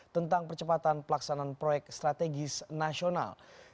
tentang percepatan pelaksanaan proyek strategis nasional